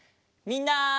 みんな！